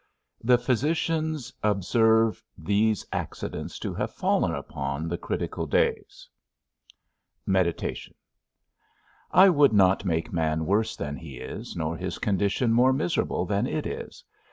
The physicians observe these accidents to have fallen upon the critical days. XIV. MEDITATION. I would not make man worse than he is, nor his condition more miserable than it is.